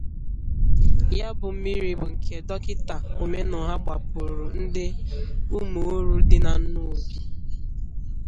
Ya bụ mmiri bụ nke Dọkịta Omenugha gbapuuru ndị Umuru dị na Nnobi